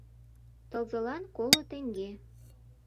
Тылзылан коло теҥге.